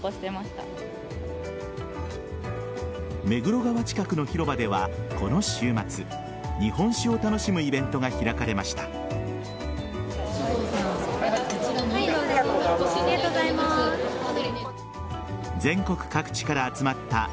目黒川近くの広場ではこの週末日本酒を楽しむイベントが開かれました。